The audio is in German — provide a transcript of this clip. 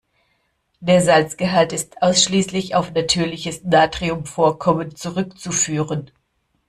Der Salzgehalt ist ausschließlich auf natürliches Natriumvorkommen zurückzuführen.